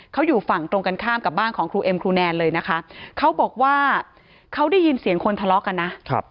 เขาอยู่ฝั่งตรงกันข้ามกับบ้านของครูเอ็มครูแนนเลยนะคะเขาบอกว่าเขาได้ยินเสียงคนทะเลาะกันนะ